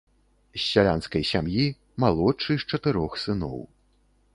З сялянскай сям'і, малодшы з чатырох сыноў.